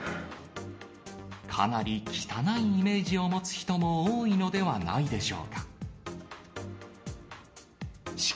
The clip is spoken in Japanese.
かなり汚いイメージを持つ人も多いのではないでしょうか。